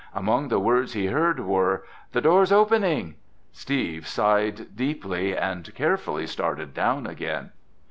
Among the words he heard were, "The door's opening!" Steve sighed deeply and carefully started down again.